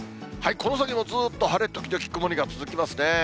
この先もずっと晴れ時々曇りが続きますね。